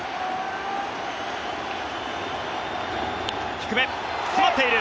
低め、詰まっている。